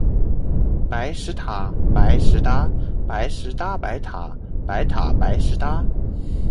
白石塔，白石搭。白石搭白塔，白塔白石搭